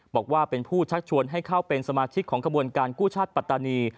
บอกว่าเป็นผู้ชักชวนให้เข้าเป็นสมาชิกของขบวนการกู้ชาติปัตตานี